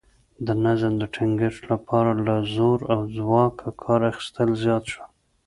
د نظم د ټینګښت لپاره له زور او ځواکه کار اخیستل زیات شول